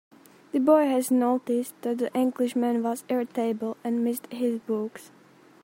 The boy had noticed that the Englishman was irritable, and missed his books.